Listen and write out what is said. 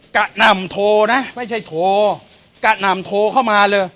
หน่ำโทรนะไม่ใช่โทรกระหน่ำโทรเข้ามาเลย